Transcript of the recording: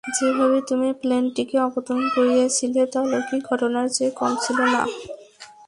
যেভাবে তুমি প্লেনটিকে অবতরণ করিয়েছিলে, তা অলৌকিক ঘটনার চেয়ে কম ছিল না।